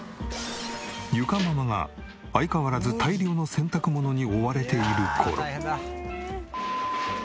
裕佳ママが相変わらず大量の洗濯物に追われている頃。